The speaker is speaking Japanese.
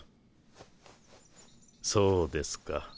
そうですか。